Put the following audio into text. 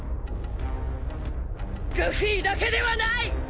ルフィだけではない！